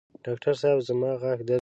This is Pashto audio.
ډاکټر صېب زما غاښ درد کوي